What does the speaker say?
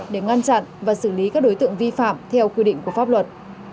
để ngăn chặn và xử lý các đối tượng vi phạm theo quy định của pháp luật